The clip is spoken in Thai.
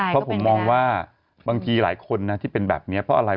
เพราะผมมองว่าบางทีหลายคนนะที่เป็นแบบนี้เพราะอะไร